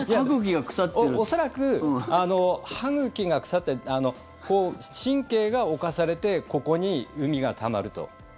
恐らく、歯茎が腐ってる神経が侵されてここにうみがたまると。